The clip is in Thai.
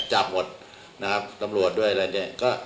จับหมดนะครับตำรวจด้วยอะไรอย่างนี้